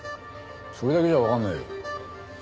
それだけじゃわかんないよ。